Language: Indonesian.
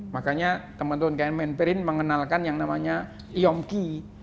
makanya teman teman kmn perin mengenalkan yang namanya iomki